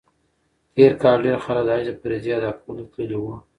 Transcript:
تېر کال ډېر خلک د حج د فریضې ادا کولو ته تللي وو.